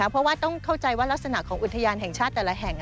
เพราะว่าต้องเข้าใจว่ารักษณะของอุทยานแห่งชาติแต่ละแห่ง